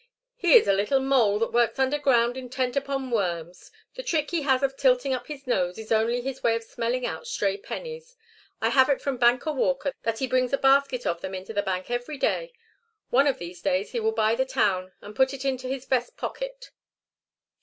"He is a little mole that works underground intent upon worms. The trick he has of tilting up his nose is only his way of smelling out stray pennies. I have it from Banker Walker that he brings a basket of them into the bank every day. One of these days he will buy the town and put it into his vest pocket."